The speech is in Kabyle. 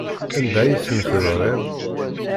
Anda ay ten-tedriḍ?